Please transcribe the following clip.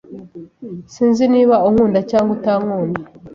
Sinzi niba unkunda cyangwa utankunda.